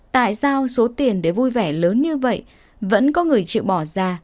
tại sao số tiền để vui vẻ lớn như vậy vẫn có người chịu bỏ ra